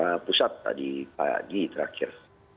di jakarta pusat tadi pak aji terakhir